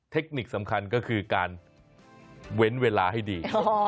เทคนิคสำคัญก็คือการเว้นเวลาให้ดี